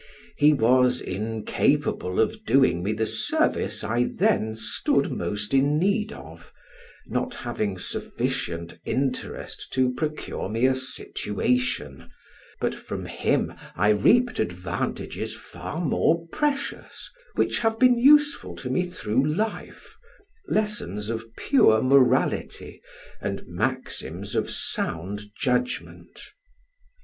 He was incapable of doing me the service I then stood most in need of, not having sufficient interest to procure me a situation, but from him I reaped advantages far more precious, which have been useful to me through life, lessons of pure morality, and maxims of sound judgment.